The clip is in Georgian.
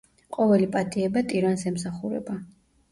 ყოველი პატიება ტირანს ემსახურება.